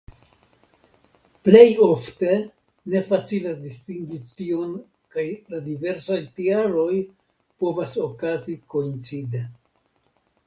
Plej ofte ne facilas distingi tion kaj la diversaj tialoj povas okazi koincide.